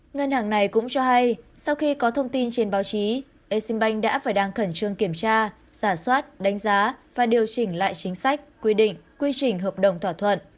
ngân hàng này cũng cho hay sau khi có thông tin trên báo chí exim bank đã và đang khẩn trương kiểm tra giả soát đánh giá và điều chỉnh lại chính sách quy định quy trình hợp đồng thỏa thuận